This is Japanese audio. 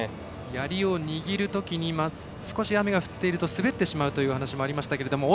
やりを握るときに少し雨が降っていると滑ってしまうというお話もありましたけれども。